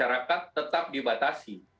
jadi kita harus mengikuti kaedah kaedah